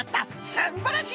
すんばらしい！